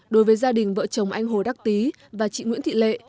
đối với gia đình vợ chồng anh hồ đắc tý và chị nguyễn thị lệ